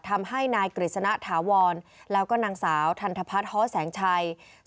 ทำให้นายกฤษณะถาวรแล้วก็นางสาวทันทพัฒน์ฮ้อแสงชัย